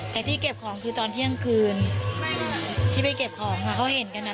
แต่ที่เก็บของคือตอนเที่ยงคืนที่ไปเก็บของค่ะเขาเห็นกันอ่ะ